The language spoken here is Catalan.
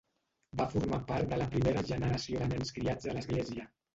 Va formar part de la primera generació de nens criats a l'església.